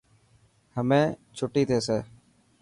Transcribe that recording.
همي ڇٽي ٿيسي.